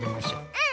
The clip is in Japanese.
うん！